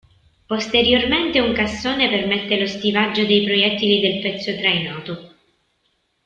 Posteriormente un cassone permette lo stivaggio dei proiettili del pezzo trainato.